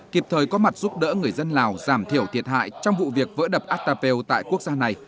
kịp thời có mặt giúp đỡ người dân lào giảm thiểu thiệt hại trong vụ việc vỡ đập atapeo tại quốc gia này